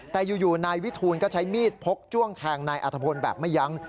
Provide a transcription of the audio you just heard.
แต่อยู่นายวิทูลก็ใช้มีดพกจ้วงแทงนายอัธพลแบบไม่ยั้ง